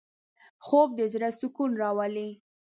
خوب د زړه سکون راولي